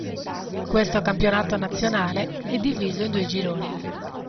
Questo campionato nazionale è diviso in due gironi.